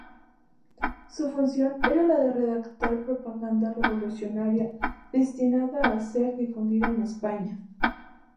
Su función era la de redactar propaganda revolucionaria destinada a ser difundida en España.